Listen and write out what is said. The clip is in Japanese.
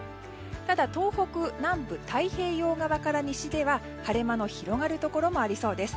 ただ、東北南部太平洋側から西では晴れ間の広がるところもありそうです。